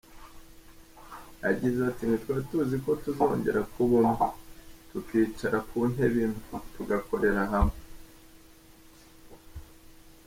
Yagize ati “Ntitwari tuzi ko tuzongera kuba umwe, tukicara ku ntebe imwe, tugakorera hamwe.